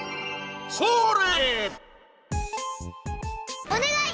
それ！